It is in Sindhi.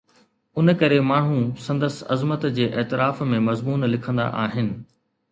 ان ڪري ماڻهو سندس عظمت جي اعتراف ۾ مضمون لکندا آهن.